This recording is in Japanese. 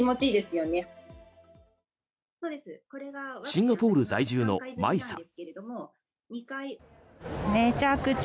シンガポール在住のマイさん。